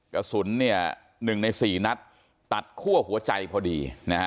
กระสุน๑ใน๔นัดตัดคั่วหัวใจพอดี